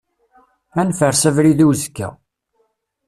Ad nfers abrid i uzekka.